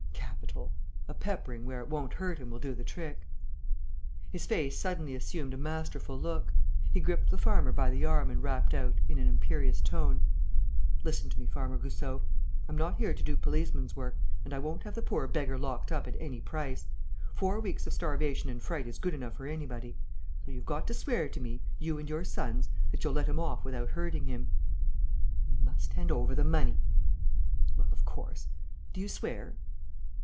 "Capital! A peppering where it won't hurt him will do the trick." His face suddenly assumed a masterful look. He gripped the farmer by the arm and rapped out, in an imperious tone: "Listen to me, Farmer Goussot. I'm not here to do policeman's work; and I won't have the poor beggar locked up at any price. Four weeks of starvation and fright is good enough for anybody. So you've got to swear to me, you and your sons, that you'll let him off without hurting him." "He must hand over the money!" "Well, of course. Do you swear?"